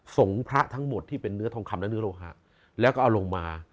พระทั้งหมดที่เป็นเนื้อทองคำและเนื้อโลหะแล้วก็เอาลงมา